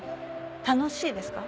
楽しいですか？